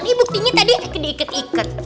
ini buktinya tadi diikat ikat